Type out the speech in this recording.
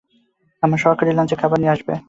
আমার সহকারী লাঞ্চের খাবার নিয়ে আসবে।